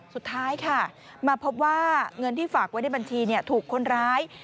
สุดท้ายค่ะมาพบว่าเงินที่ฝากไว้ในบัญชีถูกคนร้าย